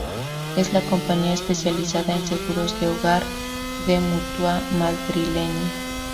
Es la compañía especializada en seguros de hogar de Mutua Madrileña.